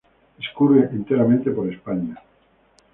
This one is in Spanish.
Discurre enteramente por España.